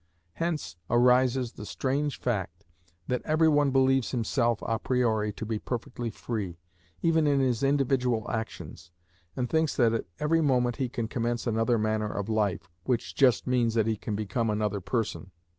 Hence arises the strange fact that every one believes himself a priori to be perfectly free, even in his individual actions, and thinks that at every moment he can commence another manner of life, which just means that he can become another person.